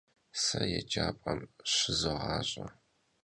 Se yêcap'em şızoğaş'e.